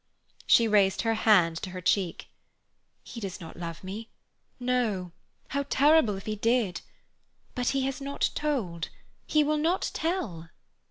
She raised her hand to her cheek. "He does not love me. No. How terrible if he did! But he has not told. He will not tell."